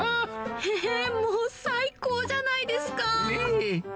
へへー、もう最高じゃないでええ。